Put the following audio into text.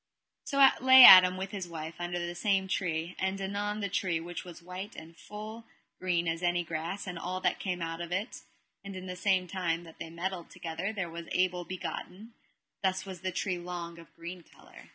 So lay Adam with his wife under the same tree; and anon the tree which was white was full green as any grass, and all that came out of it; and in the same time that they medled together there was Abel begotten: thus was the tree long of green colour.